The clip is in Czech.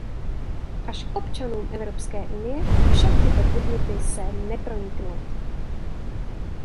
Až k občanům Evropské unie však tyto podněty se neproniknout.